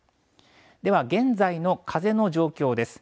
では現在の風の状況です。